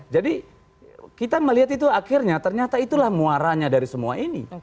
jadi kita melihat itu akhirnya ternyata itulah muaranya dari semua ini